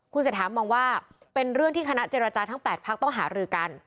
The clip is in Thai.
เศรษฐามองว่าเป็นเรื่องที่คณะเจรจาทั้ง๘พักต้องหารือกัน